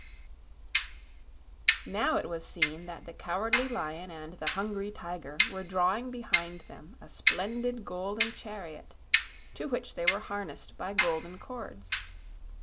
Now it was seen that the Cowardly Lion and the Hungry Tiger were drawing behind them a splendid golden chariot, to which they were harnessed by golden cords.